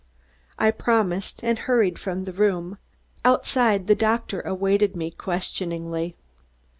I promised and hurried from the room. Outside the doctor awaited me questioningly.